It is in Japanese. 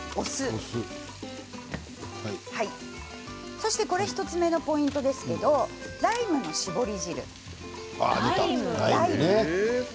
そして１つ目のポイントですけれどもライムの搾り汁。